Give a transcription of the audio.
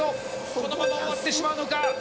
このまま終わってしまうのか？